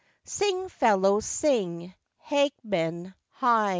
Sing, fellows, sing, Hagman heigh.